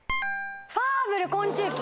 『ファーブル昆虫記』！